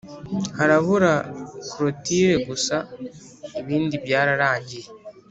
Harabura cloture gusa ibindi byararangiye